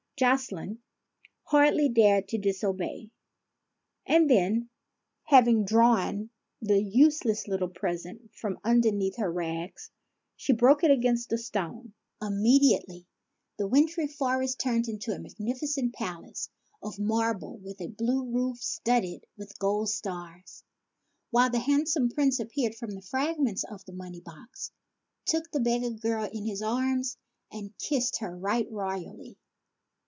Jocelyne hardly dared to disobey; and then, having drawn the useless little present from underneath her rags, she broke it against a stone. Immediately the wintry forest turned into a magnificent palace of marble with a blue roof studded with golden stars ; while the handsome Prince appeared from the fragments of the money box, took the beggar girl in his arms, and kissed her right royally.